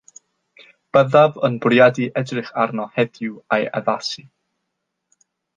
Byddaf yn bwriadu edrych arno heddiw a'i addasu